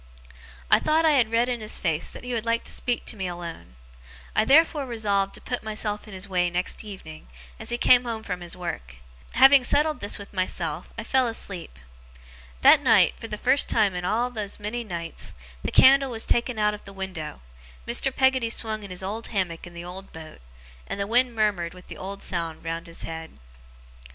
I thought I had read in his face that he would like to speak to me alone. I therefore resolved to put myself in his way next evening, as he came home from his work. Having settled this with myself, I fell asleep. That night, for the first time in all those many nights, the candle was taken out of the window, Mr. Peggotty swung in his old hammock in the old boat, and the wind murmured with the old sound round his head.